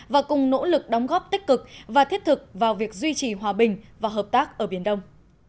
và cùng nỗ lực đóng góp tích cực và thiết thực vào việc duy trì hòa bình và hợp tác ở biển đông